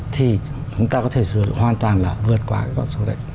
thì chúng ta có thể sử dụng hoàn toàn là vượt qua cái con số đấy